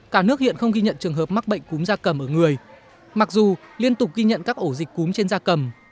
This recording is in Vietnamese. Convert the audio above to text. cả nước hiện không ghi nhận trường hợp mắc bệnh cúm da cầm ở người mặc dù liên tục ghi nhận các ổ dịch cúm trên da cầm